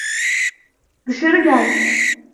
Dışarı gel!